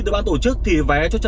được bao nhiêu hả